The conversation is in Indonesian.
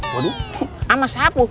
waduh sama sapu